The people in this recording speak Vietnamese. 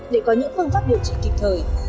để có những phương pháp điều trị kịp thời